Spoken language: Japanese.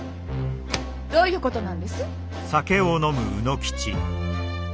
どういうことなんです？